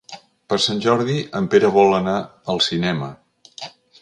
Per Sant Jordi en Pere vol anar al cinema.